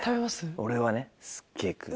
俺はねすっげぇ食う。